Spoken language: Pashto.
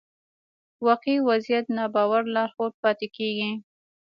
واقعي وضعيت ناباور لارښود پاتې کېږي.